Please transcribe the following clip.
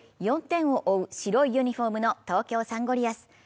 ４点を追う白いユニフォームの東京サンゴリアス。